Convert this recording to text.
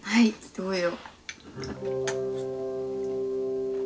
どうよ？